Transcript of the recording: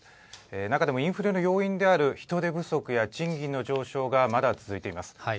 中でもインフレの要因である人手不足や賃金の上昇がまだ続いています。